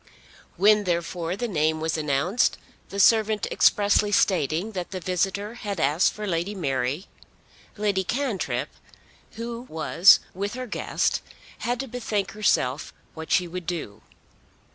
When therefore the name was announced, the servant expressly stating that the visitor had asked for Lady Mary, Lady Cantrip, who was with her guest, had to bethink herself what she would do.